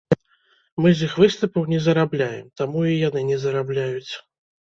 Мы з іх выступаў не зарабляем, таму і яны не зарабляюць.